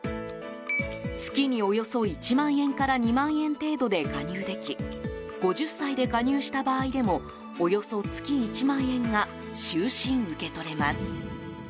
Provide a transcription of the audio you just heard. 月におよそ１万円から２万円程度で加入でき５０歳で加入した場合でもおよそ月１万円が終身受け取れます。